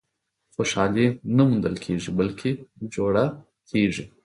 • خوشالي نه موندل کېږي، بلکې جوړه کېږي.